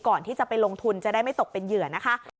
ก่อนที่จะไปลงทุนจะได้ไม่ตกเป็นเหยื่อนะคะ